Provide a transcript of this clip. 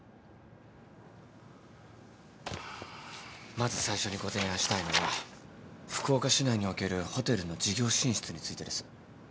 まず最初にご提案したいのは福岡市内におけるホテルの事業進出についてです。